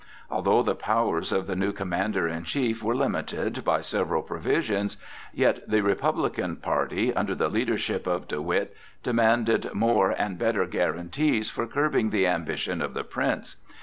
Although the powers of the new commander in chief were limited by several provisions, yet the Republican party, under the leadership of De Witt, demanded more and better guarantees for curbing the ambition of the Prince.